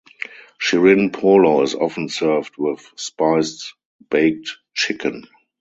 Shirin polo is often served with spiced baked chicken.